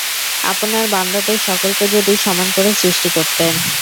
আপনার বান্দাদের সকলকে যদি সমান করে সৃষ্টি করতেন!